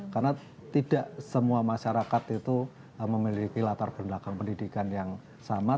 karena tidak semua masyarakat itu memiliki latar belakang pendidikan yang sama